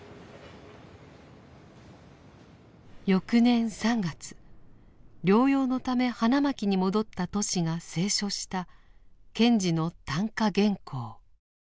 翌年３月療養のため花巻に戻ったトシが清書した賢治の短歌原稿。